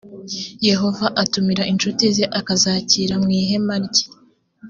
yehova atumira inshuti ze akazakira mu ihema rye